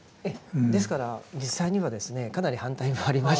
ですから実際にはですねかなり反対もありまして。